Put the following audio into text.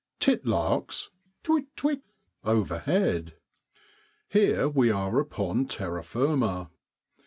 Titlarks tivit^uit overhead. Here we are upon terra firma.